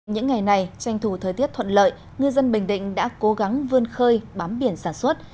những ngày này tranh thủ thời tiết thuận lợi ngư dân bình định đã cố gắng vươn khơi bám biển sản xuất